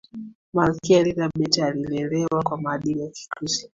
malkia elizabeth alilelewa kwa maadili ya kikristo